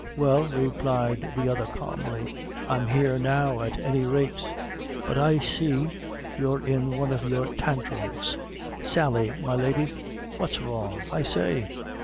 "Well," replied the other, calmly, "I'm here now at any rate; but I see you're in one of your tantrums, Sally, my lady. What's wrong, I say?